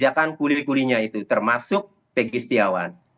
memperkenalkan pekerjaan kulir kulinya itu termasuk peggy setiawan